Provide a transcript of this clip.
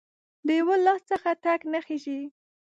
د یو لاس څخه ټک نه خیژي